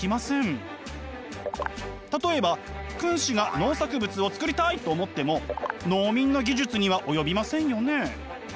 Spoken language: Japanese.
例えば君子が農作物をつくりたいと思っても農民の技術には及びませんよね。